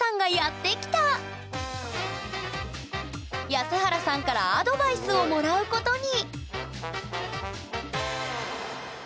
安原さんからアドバイスをもらうことに！